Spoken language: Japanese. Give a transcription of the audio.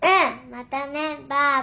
またねばあば。